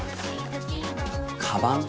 かばん。